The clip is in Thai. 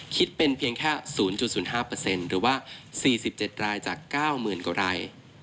คิดเป็นเพียงแค่๐๐๕หรือว่า๔๗รายจาก๙๐๐กว่าราย